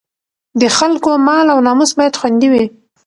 د خلکو مال او ناموس باید خوندي وي.